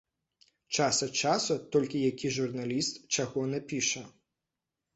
Час ад часу толькі які журналіст чаго напіша.